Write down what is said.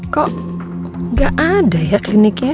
kok gak ada ya kliniknya